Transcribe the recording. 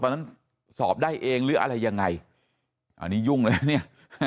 นั้นสอบได้เองหรืออะไรยังไงอันนี้ยุ่งเลยนะเนี่ย